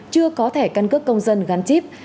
chưa có thể căn cước công dân gắn chip